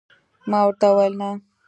ما ورته وویل: نه.